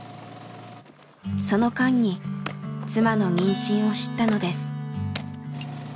その間に妻の妊娠を知ったのです。